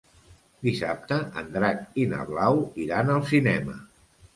Dissabte en Drac i na Blau iran al cinema.